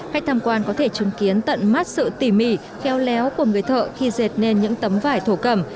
khách tham quan có thể chứng kiến tận mắt sự tỉ mỉ kheo léo của người thợ khi dệt lên những tấm vải thổ cẩm